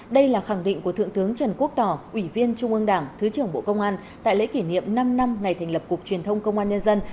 đây là khẳng định của thượng tướng trần quốc tỏ ủy viên trung ương đảng thứ trưởng bộ công an tại lễ kỷ niệm năm năm ngày thành lập cục truyền thông công an nhân dân